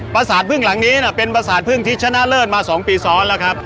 ประสาทพึ่งหลังนี้เป็นประสาทพึ่งที่ชนะเลิศมา๒ปีซ้อนแล้วครับ